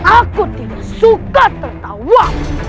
aku tidak suka tertawa